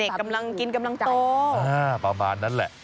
กำลังกินกำลังโตประมาณนั้นแหละ